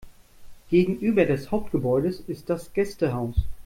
Gegenüber des Hauptgebäudes ist das Gästehaus.